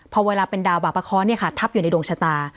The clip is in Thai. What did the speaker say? พอเวลาเป็นดาวบาปะเคาะทับอยู่ในดวงชะตา